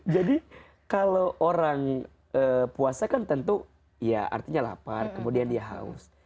jadi kalau orang puasa kan tentu ya artinya lapar kemudian dia haus